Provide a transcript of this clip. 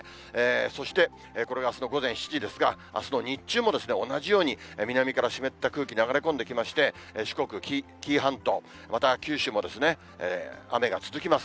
そして、これがあすの午前７時ですが、あすの日中も同じように南から湿った空気流れ込んできまして、四国、紀伊半島、また九州もですね、雨が続きます。